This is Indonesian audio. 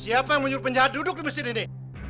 siapa yang menyuruh penjahat duduk di mesin ini